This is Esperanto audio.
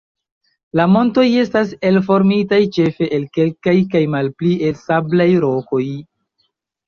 La montoj estas elformitaj ĉefe el kalkaj kaj malpli el sablaj rokoj.